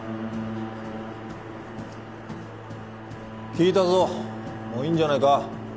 聞いたぞもういいんじゃないか？